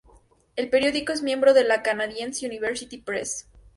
El periódico es miembro de la Canadian University Press.